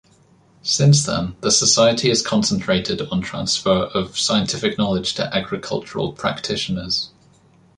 Since then, the Society has concentrated on transfer of scientific knowledge to agricultural practitioners.